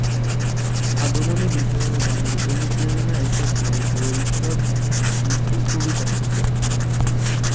আগমনী-বিজয়া গানের অনুপ্রেরণা এসেছে বৈষ্ণব গীতিকবিতা থেকে।